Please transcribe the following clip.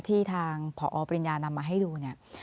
ที่ทางพอปริญญานำมาให้ดูเนี่ย